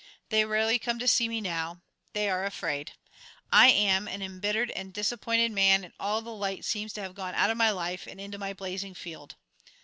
They rarely come to see me now. They are afraid. I am an embittered and disappointed man, and all the light seems to have gone out of my life and into my blazing field.